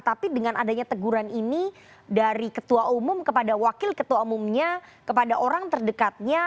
tapi dengan adanya teguran ini dari ketua umum kepada wakil ketua umumnya kepada orang terdekatnya